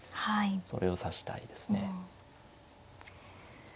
それを指したいですね。